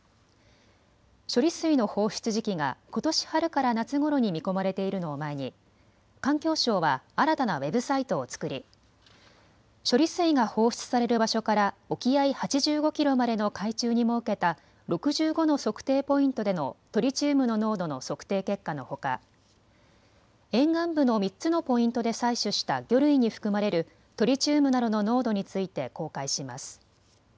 処理水の放出時期がことし春から夏ごろに見込まれているのを前に環境省は新たなウェブサイトを作り処理水が放出される場所から沖合８５キロまでの海中に設けた６５の測定ポイントでのトリチウムの濃度の測定結果のほか沿岸部の３つのポイントで採取した魚類に含まれるトリチウムなどの濃度について公開します。